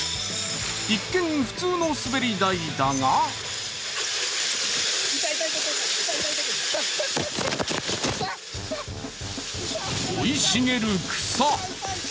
一見、普通の滑り台だが生い茂る草。